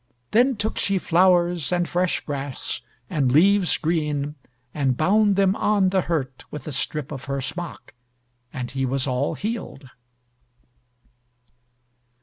Then took she flowers, and fresh grass, and leaves green, and bound them on the hurt with a strip of her smock, and he was all healed.